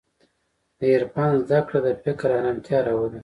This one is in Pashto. د عرفان زدهکړه د فکر ارامتیا راولي.